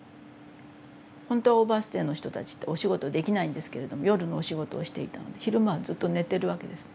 ほんとはオーバーステイの人たちってお仕事できないんですけれど夜のお仕事をしていたので昼間はずっと寝てるわけです。